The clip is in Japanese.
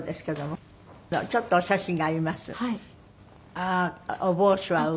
ああお帽子は上。